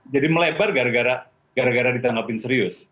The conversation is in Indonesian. jadi melebar gara gara ditanggapin serius